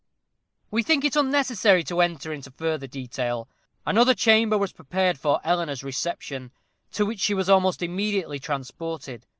We think it unnecessary to enter into further detail. Another chamber was prepared for Eleanor's reception, to which she was almost immediately transported.